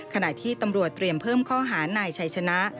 ขณะที่ตำรวจเตรียมเพิ่มข้อหานายชัยชนะ